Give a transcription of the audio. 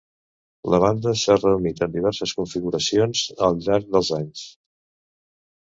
La banda s'ha reunit en diverses configuracions al llarg dels anys.